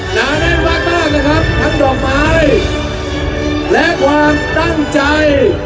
หนานั่นมากทั้งดอกไม้และความตั้งใจ